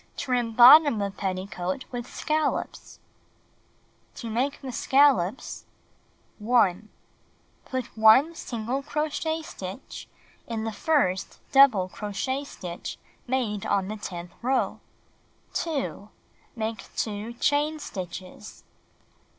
Trim bottom of petticoat with scallops 1. To Make the Scallops Put 1 single crochet stitch in the first double crochet stitch made on the tenth row. 2. Make 2 chain stitches.